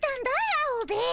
アオベエ。